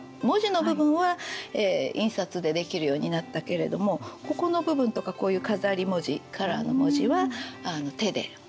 文字の部分は印刷でできるようになったけれどもここの部分とかこういう飾り文字カラーの文字は手で。